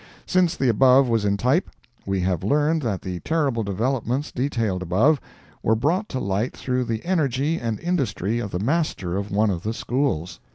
Since the above was in type, we have learned that the terrible developments detailed above, were brought to light through the energy and industry of the master of one of the Schools.